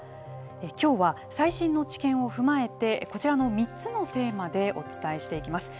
きょうは最新の知見を踏まえてこちらの３つのテーマでお伝えしていきます。